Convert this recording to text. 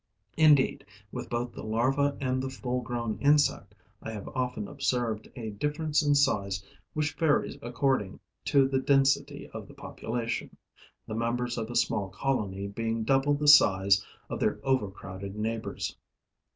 Indeed, with both the larva and the full grown insect, I have often observed a difference in size which varies according to the density of the population, the members of a small colony being double the size of their overcrowded neighbors.